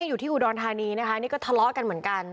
อยู่ที่อุดรธานีนะคะนี่ก็ทะเลาะกันเหมือนกัน